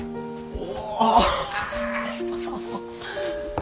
お。